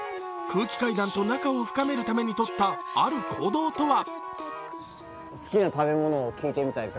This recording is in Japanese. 空気階段と仲を深めるためにとった、ある行動とは？